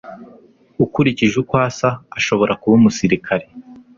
Ukurikije uko asa, ashobora kuba umusirikare.